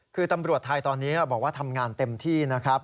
คือตำรวจไทยตอนนี้บอกว่าทำงานเต็มที่นะครับ